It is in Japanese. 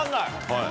はい。